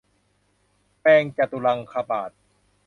แวงจตุลังคบาท